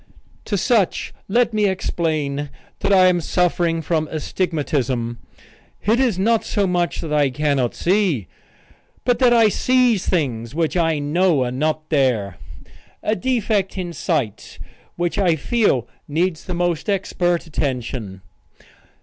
To such let me explain that I am suffering from astigmatism. It is not so much that I cannot see, but that I sees things which I know are not there a defect in sight which I feel needs the most expert attention.